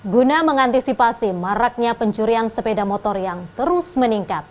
guna mengantisipasi maraknya pencurian sepeda motor yang terus meningkat